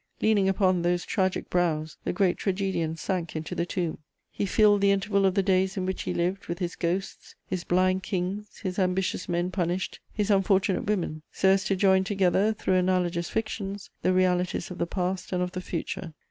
Leaning upon those tragic brows, the great tragedian sank into the tomb; he filled the interval of the days in which he lived with his ghosts, his blind kings, his ambitious men punished, his unfortunate women, so as to join together, through analogous fictions, the realities of the past and of the future.